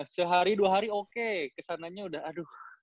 sehari dua hari oke kesananya udah aduh